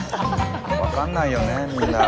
分かんないよねみんな。